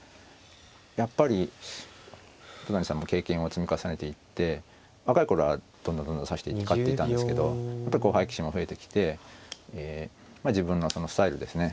やっぱり糸谷さんも経験を積み重ねていって若い頃はどんどんどんどん指していって勝っていたんですけど後輩棋士も増えてきて自分のスタイルですね